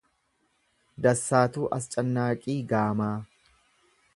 Dassaatuu Ascannaaqii Gaamaa